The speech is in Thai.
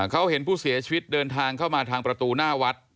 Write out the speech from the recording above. เขาเห็นผู้เสียชีวิตเดินทางเข้ามาทางประตูหน้าวัด